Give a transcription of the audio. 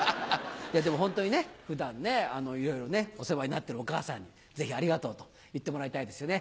でもホントにね普段いろいろお世話になってるお母さんにぜひ「ありがとう」と言ってもらいたいですよね。